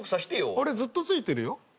俺ずっとついてるよ。